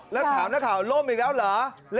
แล้วถามนักข่าวล่มอีกแล้วเหรอ